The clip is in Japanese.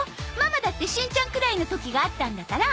ママだってしんちゃんくらいの時があったんだから